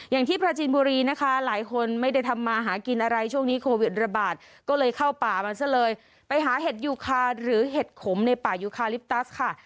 อย่างที่ปราจีนบุรีนะคะหลายคนไม่ได้ทำมาหากินอะไรช่วงนี้โควิดระบาดก็เลยเข้าป่ามันซะเลยไปหาเห็ดยูคาหรือเห็ดขมในป่ายูคาลิปตัสค่ะ